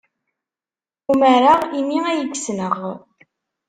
Umareɣ imi ay k-ssneɣ.